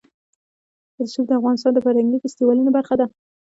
رسوب د افغانستان د فرهنګي فستیوالونو برخه ده.